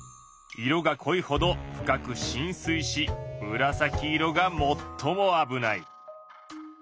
色がこいほど深くしん水しむらさき色が最も危ない。